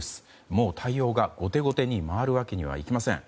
もう対応が後手後手に回るわけにはいきません。